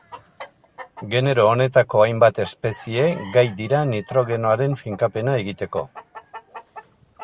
Genero honetako hainbat espezie gai dira nitrogenoaren finkapena egiteko.